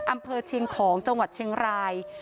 อำเภอเชียงของจังหวัดเชียงราย